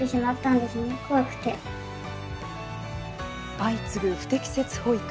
相次ぐ不適切保育。